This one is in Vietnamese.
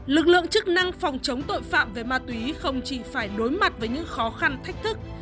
lực lượng chức năng phòng chống tội phạm về ma túy không chỉ phải đối mặt với những khó khăn thách thức